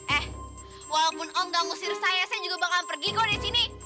eh walaupun allah gak ngusir saya saya juga bakalan pergi kok di sini